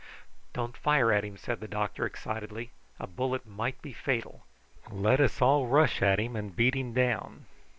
"Don't fire at him," said the doctor excitedly; "a bullet might be fatal. Let us all rush at him and beat him down."